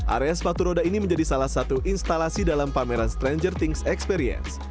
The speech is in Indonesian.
area sepatu roda ini menjadi salah satu instalasi dalam pameran stranger things experience